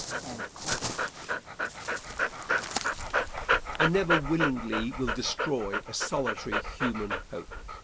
Answer. I never willingly will destroy a solitary human hope.